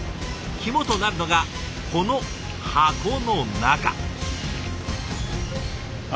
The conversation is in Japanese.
肝となるのがこの箱の中。